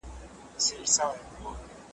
د چمن هغه کونج چي په ځنګله ننوتلی `